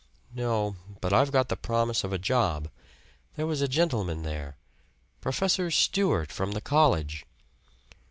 "No. But I've got the promise of a job. There was a gentleman there Professor Stewart, from the college."